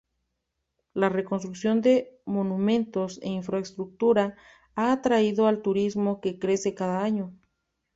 La reconstrucción de monumentos e infraestructura ha atraído al turismo que crece cada año.